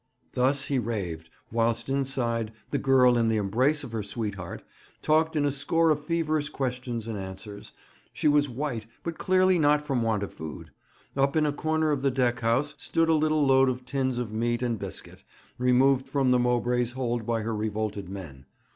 Thus he raved, whilst inside, the girl, in the embrace of her sweetheart, talked in a score of feverish questions and answers. She was white, but clearly not from want of food. Up in a corner of the deck house stood a little load of tins of meat and biscuit, removed from the Mowbray's hold by her revolted men.